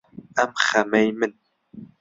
ئەم خەمەی من